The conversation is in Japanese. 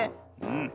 うん。